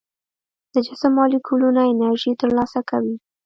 د جسم مالیکولونه انرژي تر لاسه کوي.